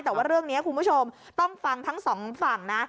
แต่ว่าเรื่องนี้คุณผู้ชมต้องฟังทั้งสองฝั่งนะ